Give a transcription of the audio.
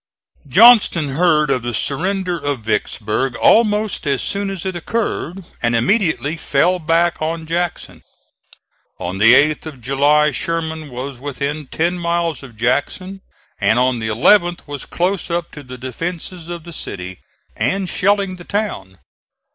Johnston heard of the surrender of Vicksburg almost as soon as it occurred, and immediately fell back on Jackson. On the 8th of July Sherman was within ten miles of Jackson and on the 11th was close up to the defences of the city and shelling the town.